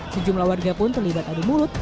sejumlah warga pun terlibat adu mulut